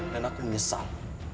dan aku menyesal